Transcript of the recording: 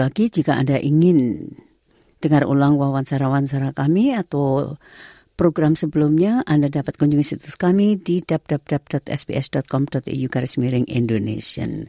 anda bersama sbs bahasa indonesia